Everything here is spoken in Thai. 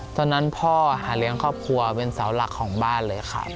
ตอนนั้นพ่อหาเลี้ยงครอบครัวเป็นเสาหลักของบ้านเลยครับ